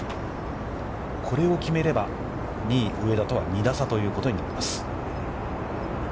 これを決めれば、２位上田とは２打差ということになります。